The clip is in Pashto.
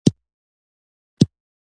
هر سهار وختي پاڅئ!